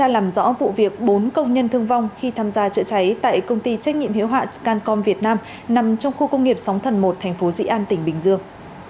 làm rõ vụ việc bốn công nhân thương vong khi tham gia chữa cháy tại công ty trách nhiệm hiệu hạn scancom việt nam nằm trong khu công nghiệp sóng thần một thành phố dị an tỉnh bình dương